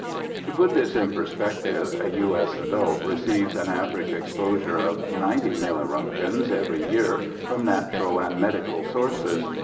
To put this in perspective, a U.S. adult receives an average exposure of 90 milliroentgens every year from natural and medical sources.